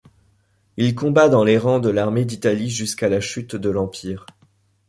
Il combat dans les rangs de l'armée d'Italie jusqu'à la chute de l'Empire.